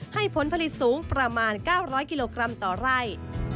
ผลผลิตสูงประมาณ๙๐๐กิโลกรัมต่อไร่